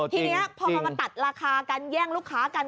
ทีนี้พอมาตัดราคากันแย่งลูกค้ากัน